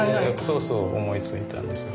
そうそう思いついたんです。